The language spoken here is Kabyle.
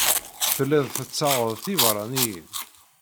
Tellid tettaɣed tibeṛṛaniyin.